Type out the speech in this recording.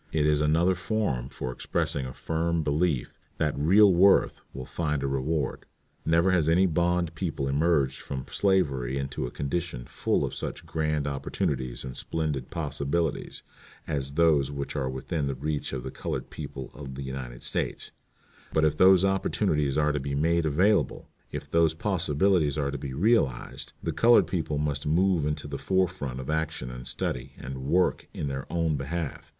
It is another form for expressing a firm belief that real worth will find a reward. Never has any bond people emerged from slavery into a condition full of such grand opportunities and splendid possibilities as those which are within the reach of the colored people of the United States; but if those opportunities are to be made available, if those possibilities are to be realized, the colored people must move into the fore front of action and study and work in their own behalf.